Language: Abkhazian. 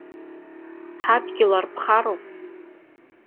Ҳадгьыл арыԥхароуп!